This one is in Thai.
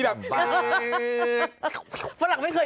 เช็ดแรงไปนี่